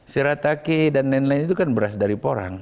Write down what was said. shirataki dan lain lain itu kan beras dari porang